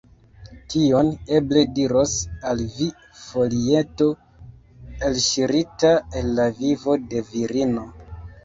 Tion eble diros al vi folieto, elŝirita el la vivo de virino.